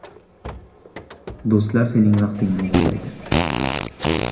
• Do‘stlar sening vaqtingni o‘g‘irlaydi.